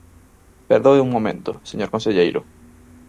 Perdoe un momento, señor conselleiro.